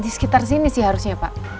di sekitar sini sih harusnya pak